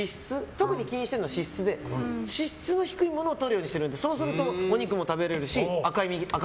特に気にしてるのは脂質で脂質の低いものをとるようにしてるのでそうすると赤身のお肉も食べられるし。